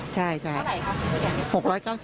เท่าไหร่คะคือชุดใหญ่๖๙๐บาท